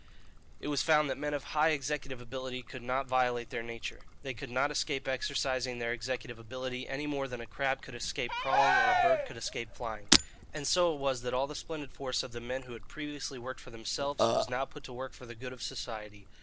It was found that men of high executive ability could not violate their nature. They could not escape exercising their executive ability, any more than a crab could escape crawling or a bird could escape flying. And so it was that all the splendid force of the men who had previously worked for themselves was now put to work for the good of society.